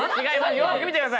よく見てください！